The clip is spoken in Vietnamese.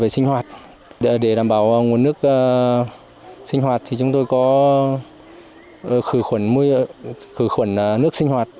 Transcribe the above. sinh hoạt để đảm bảo nguồn nước sinh hoạt thì chúng tôi có khử khuẩn nước sinh hoạt